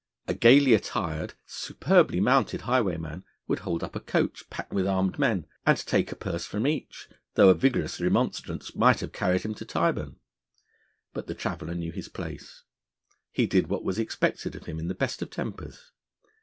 A gaily attired, superbly mounted highwayman would hold up a coach packed with armed men, and take a purse from each, though a vigorous remonstrance might have carried him to Tyburn. But the traveller knew his place: he did what was expected of him in the best of tempers.